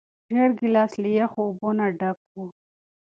زېړ ګیلاس له یخو اوبو نه ډک و.